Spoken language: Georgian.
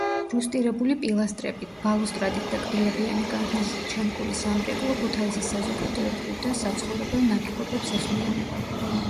რუსტირებული პილასტრებით, ბალუსტრადით და კბილებიანი კარნიზით შემკული სამრეკლო ქუთაისის საზოგადოებრივ და საცხოვრებელ ნაგებობებს ეხმიანება.